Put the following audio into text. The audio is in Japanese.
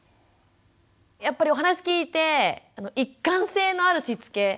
やっぱりお話聞いて一貫性のあるしつけ